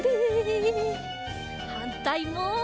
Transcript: はんたいも。